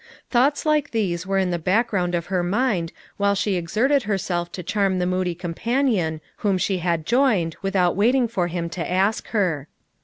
Thoughts like these were in the background of her mind while she exerted herself to charm FOUR MOTHERS AT CHAUTAUQUA 345 the moody companion whom she had joined, without waiting for him to ask her.